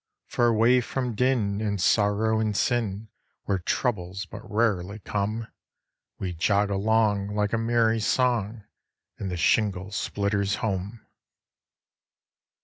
For away from din and sorrow and sin, Where troubles but rarely come, We jog along, like a merry song, In the shingle splitter's home.